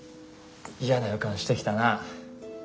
嫌な予感してきたな。